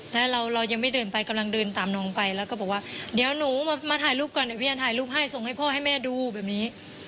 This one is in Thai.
ถ้าเรายังไม่เดินไปกำลังเดินตามน้องไปแล้วก็บอกว่าเดี๋ยวหนูมาถ่ายรูปก่อนเดี๋ยวพี่แอนถ่ายรูปให้ส่งให้พ่อให้แม่ดูแบบนี้